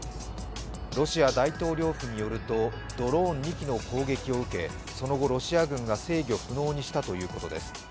ロシア大統領府によるとドローン２機の攻撃を受けその後、ロシア軍が制御不能にしたということです。